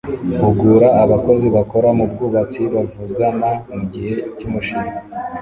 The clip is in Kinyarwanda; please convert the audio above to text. Hugura abakozi bakora mubwubatsi bavugana mugihe cyumushinga